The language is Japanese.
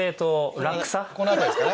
この辺りですかね。